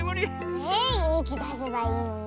えゆうきだせばいいのに。